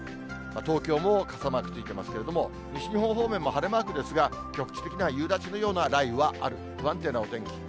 東京も傘マークついてますけれども、西日本方面も晴れマークですが、局地的な夕立のような雷雨はある、不安定なお天気。